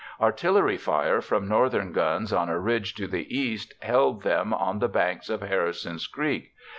Artillery fire from Northern guns on a ridge to the east held them on the banks of Harrison's Creek.